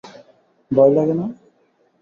ভয় লাগে না?